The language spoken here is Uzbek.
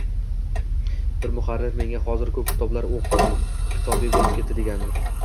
Bir muharrir menga: “Hozir ko‘p kitoblar kitobiy bo‘lib ketdi”, degandi.